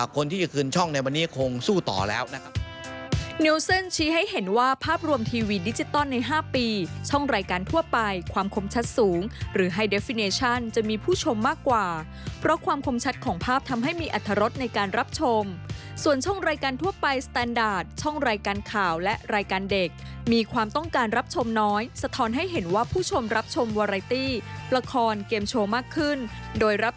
คนที่จะคืนช่องในวันนี้คงสู้ต่อแล้วนะครับ